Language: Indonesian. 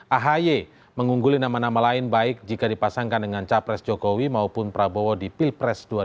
ahy mengungguli nama nama lain baik jika dipasangkan dengan capres jokowi maupun prabowo di pilpres dua ribu sembilan belas